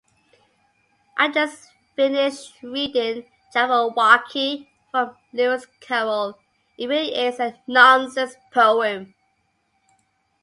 I just finished reading "Jabberwocky" from Lewis Carroll. It really is a nonsense poem.